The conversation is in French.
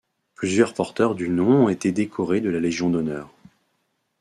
Plusieurs porteurs du nom ont été décorés de la Légion d'honneur.